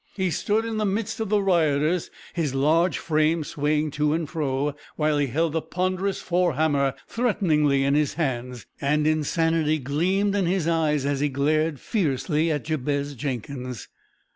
He stood in the midst of the rioters, his large frame swaying to and fro, while he held the ponderous fore hammer threateningly in his hands, and insanity gleamed in his eyes as he glared fiercely at Jabez Jenkins.